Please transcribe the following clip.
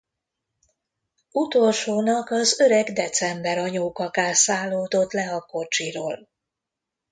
Utolsónak az öreg December anyóka kászálódott le a kocsiról.